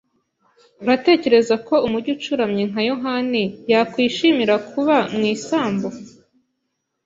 Uratekereza ko umujyi ucuramye nka yohani yakwishimira kuba mu isambu?